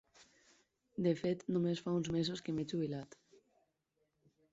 De fet només fa uns mesos que m'he jubilat.